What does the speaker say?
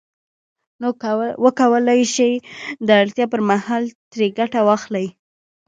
نو وکولای شي د اړتیا پر مهال ترې ګټه واخلي